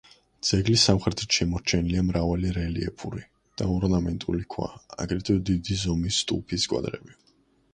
ძეგლის სამხრეთით შემორჩენილია მრავალი რელიეფური და ორნამენტული ქვა, აგრეთვე, დიდი ზომის ტუფის კვადრები.